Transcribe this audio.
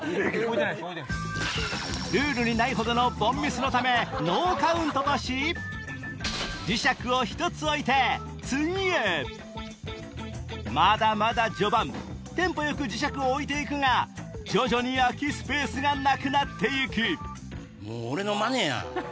ルールにないほどのノーカウントとし磁石を１つ置いて次へまだまだ序盤テンポよく磁石を置いていくが徐々に空きスペースがなくなっていく俺のマネやん。